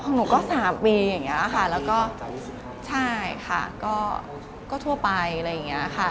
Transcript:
หนูก็๓ปีอย่างนี้ค่ะแล้วก็ใช่ค่ะก็ทั่วไปอะไรอย่างนี้ค่ะ